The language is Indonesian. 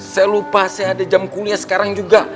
saya lupa saya ada jam kuliah sekarang juga